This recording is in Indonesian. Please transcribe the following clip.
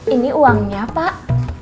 ini uangnya pak